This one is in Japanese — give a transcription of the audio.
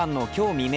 未明